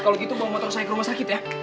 kalau gitu bawa motor saya ke rumah sakit ya